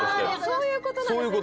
そういうことです